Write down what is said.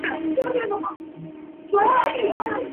白羽扇豆为豆科羽扇豆属下的一个种。